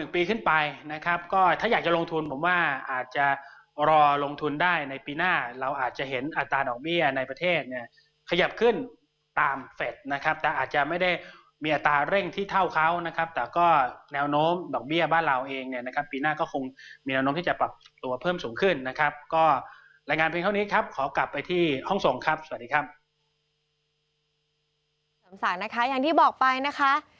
ปีขึ้นไปนะครับก็ถ้าอยากจะลงทุนผมว่าอาจจะรอลงทุนได้ในปีหน้าเราอาจจะเห็นอัตราดอกเบี้ยในประเทศเนี่ยขยับขึ้นตามเฟ็ดนะครับแต่อาจจะไม่ได้มีอัตราเร่งที่เท่าเขานะครับแต่ก็แนวโน้มดอกเบี้ยบ้านเราเองเนี่ยนะครับปีหน้าก็คงมีแนวโน้มที่จะปรับตัวเพิ่มสูงขึ้นนะครับก็รายงานเพียงเท่านี้ครับข